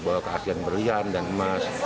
bahwa keaslian berlian dan emas